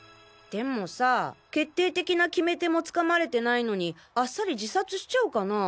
でもさぁ決定的な決め手も掴まれてないのにあっさり自殺しちゃうかな？